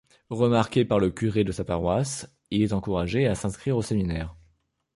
Remarqué par le curé de sa paroisse, il est encouragé à s’inscrire au séminaire.